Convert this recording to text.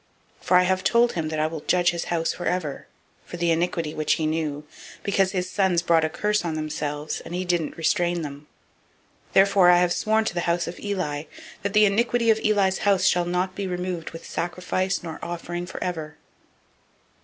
003:013 For I have told him that I will judge his house forever, for the iniquity which he knew, because his sons did bring a curse on themselves, and he didn't restrain them. 003:014 Therefore I have sworn to the house of Eli, that the iniquity of Eli's house shall not be expiated with sacrifice nor offering forever.